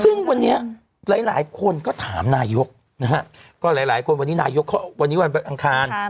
ซึ่งวันนี้หลายคนก็ถามนายกนะฮะวันนี้วันอังคาร